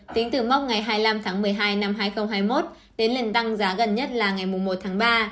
tính từ mốc ngày hai mươi năm tháng một mươi hai năm hai nghìn hai mươi một đến lần tăng giá gần nhất là ngày một tháng ba